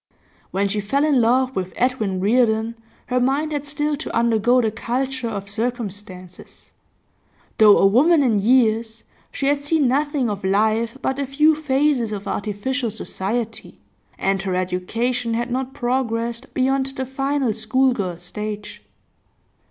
When she fell in love with Edwin Reardon her mind had still to undergo the culture of circumstances; though a woman in years she had seen nothing of life but a few phases of artificial society, and her education had not progressed beyond the final schoolgirl stage.